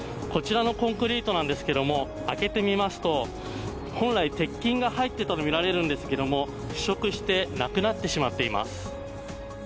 こちらのコンクリートなんですけどあけてみますと本来、鉄筋が入っていたとみられるんですけれども腐食してなくなってしまっています。